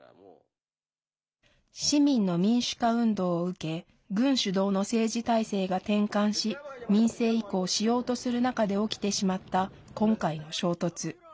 市民の民主化運動を受け軍主導の政治体制が転換し民政移行しようとする中で起きてしまった今回の衝突。